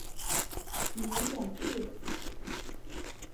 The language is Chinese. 母董氏。